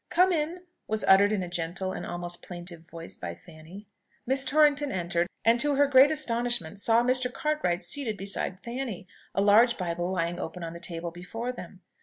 "Come in," was uttered in a gentle and almost plaintive voice by Fanny. Miss Torrington entered, and, to her great astonishment, saw Mr. Cartwright seated beside Fanny, a large Bible lying open on the table before them.